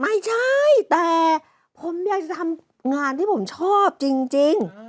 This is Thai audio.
ไม่ใช่แต่ผมอยากจะทำงานที่ผมชอบจริง